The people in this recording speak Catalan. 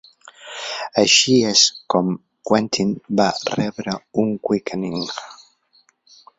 Així és com Quentin va rebre un Quickening.